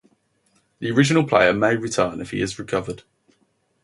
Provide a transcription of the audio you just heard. The original player may return if he has recovered.